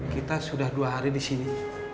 kita sudah dua hari di sini